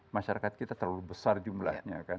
masyarakat kita terlalu besar jumlahnya kan